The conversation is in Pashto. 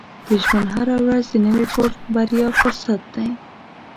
• د ژوند هره ورځ د نوې بریا فرصت دی.